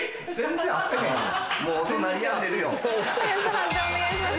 判定お願いします。